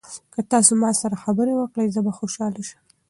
که تاسي ما سره خبرې وکړئ زه به خوشاله شم.